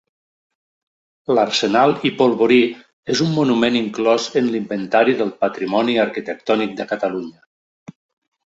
L'arsenal i polvorí és un monument inclòs en l'Inventari del Patrimoni Arquitectònic de Catalunya.